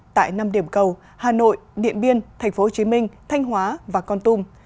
tại năm điểm cầu hà nội điện biên tp hcm thanh hóa và con tum